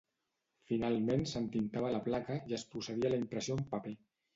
Finalment s'entintava la placa i es procedia a la impressió en paper.